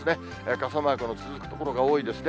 傘マークの続く所が多いですね。